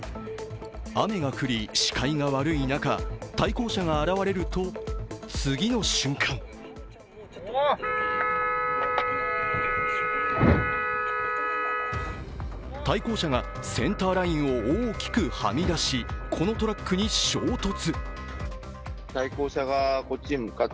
雨が降り、視界が悪い中対向車が現れると、次の瞬間対向車がセンターラインを大きくはみ出し、このトラックに衝突。